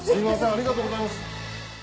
ありがとうございます。